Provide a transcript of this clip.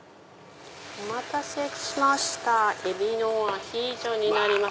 お待たせしました海老のアヒージョになります。